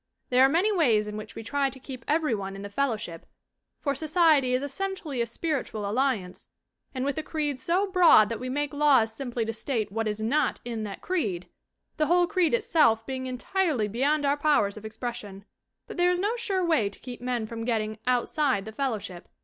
There are many ways in which we try to keep every one in the fellowship for society is essentially a spiritual alliance and with a creed so broad that we make laws simply to state what is not in that creed, the whole creed itself being entirely beyond our powers of ex pression. But there is no sure way to keep men from getting "outside" the fellowship.